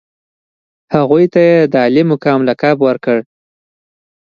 هغوی ته یې د عالي مقام لقب ورکړ.